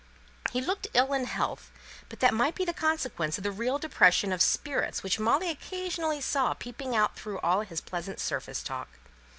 He looked ill in health; but that might be the consequence of the real depression of spirits which Molly occasionally saw peeping out through all his pleasant surface talk.